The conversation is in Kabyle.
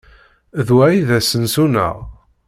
D wa ay d asensu-nneɣ?